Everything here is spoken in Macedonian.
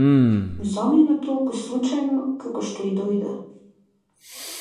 Замина толку случајно како што и дојде.